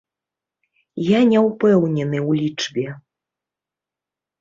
Я не ўпэўнены ў лічбе.